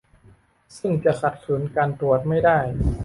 ซึ่งจะขัดขืนการตรวจไม่ได้